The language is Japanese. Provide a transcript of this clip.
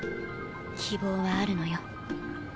希望はあるのよ。